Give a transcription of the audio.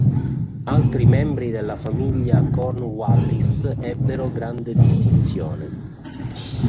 Altri membri della famiglia Cornwallis ebbero grande distinzione.